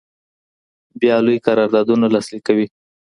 بیا لوی قراردادونه لاسلیک کوي.